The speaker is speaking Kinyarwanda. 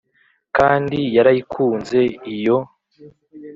kandi yarayikunze iyo